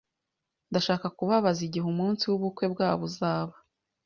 Ndashaka kubabaza igihe umunsi w'ubukwe bwabo uzaba.